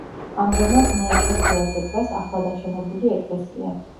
ამჟამად ნაეკლესიარზე დგას ახლადაშენებული ეკლესია.